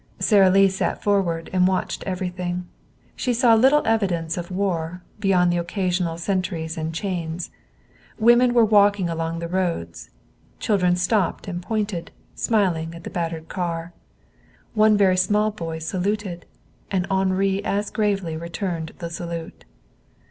Sara Lee sat forward and watched everything. She saw little evidence of war, beyond the occasional sentries and chains. Women were walking along the roads. Children stopped and pointed, smiling, at the battered car. One very small boy saluted, and Henri as gravely returned the salute.